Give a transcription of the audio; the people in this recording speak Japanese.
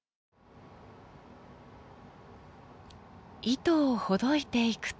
糸をほどいていくと。